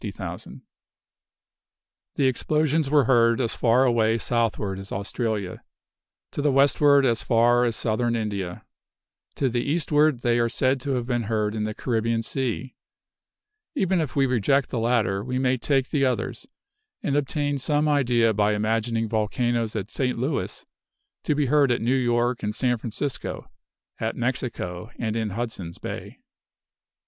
The explosions were heard as far away southward as Australia; to the westward as far as Southern India; to the eastward, they are said to have been heard in the Caribbean Sea. Even if we reject the latter, we may take the others, and obtain some idea by imagining volcanoes at St. Louis to be heard at New York and San Francisco, at Mexico and in Hudson's Bay.